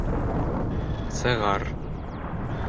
Сығар!